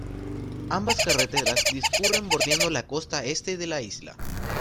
Ambas carreteras discurren bordeando la costa este de la isla.